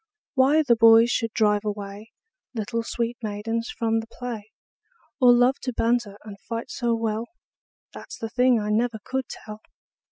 Why the boys should drive away Little sweet maidens from the play, Or love to banter and fight so well, That 's the thing I never could tell.